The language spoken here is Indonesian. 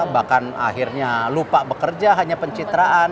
bahkan akhirnya lupa bekerja hanya pencitraan